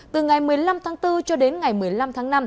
từ ngày một mươi năm tháng bốn cho đến ngày một mươi năm tháng năm